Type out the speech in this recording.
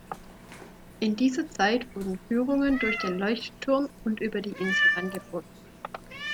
In dieser Zeit wurden Führungen durch den Leuchtturm und über die Insel angeboten.